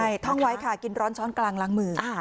ใช่ท่องไว้ค่ะกินร้อนช้อนกลางล้างมือ